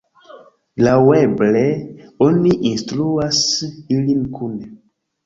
Laŭeble, oni instruas ilin kune.